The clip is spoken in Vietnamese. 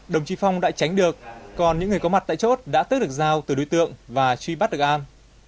đồng chí phong đã tránh được còn những người có mặt tại chốt đã tức được giao từ đối tượng và truy bắt được an